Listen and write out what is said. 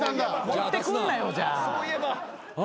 持ってくんなよじゃあ。